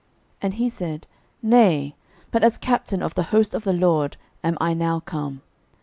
06:005:014 And he said, Nay; but as captain of the host of the LORD am I now come.